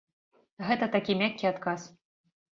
Гэта такі мяккі адказ.